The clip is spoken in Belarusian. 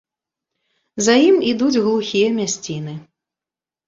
За ім ідуць глухія мясціны.